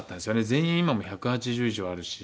全員今も１８０以上あるし。